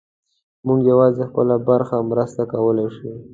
موږ یوازې خپله برخه مرسته کولی شو.